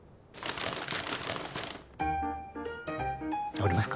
折りますか。